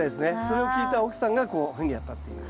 それを聞いた奥さんがこういうふうにやったという。